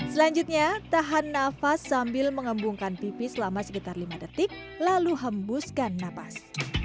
selanjutnya tahan nafas sambil mengembungkan pipi selama sekitar lima detik lalu hembuskan napas